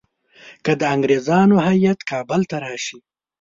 که د انګریزانو هیات کابل ته راشي.